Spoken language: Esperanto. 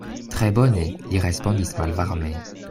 Tre bone, li respondis malvarme.